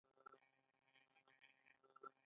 کانونه د افغانستان د اقتصاد ملا تیر جوړوي.